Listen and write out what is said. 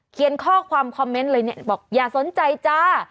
เขียนข้อความคอมเมนต์เลยเนี่ยบอกอย่าสนใจจ้า